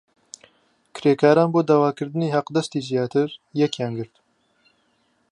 کرێکاران بۆ داواکردنی حەقدەستی زیاتر یەکیان گرت.